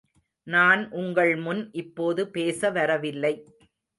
நான் உங்கள் முன் இப்போது பேச வரவில்லை.